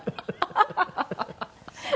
ハハハハ！